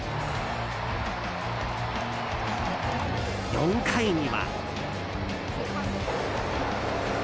４回には。